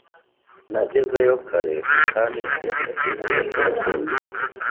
Nagezeyo kare kandi mfite pisine yose yo koga.